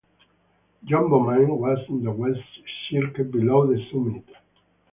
Jumbo Mine was in the west cirque below the summit.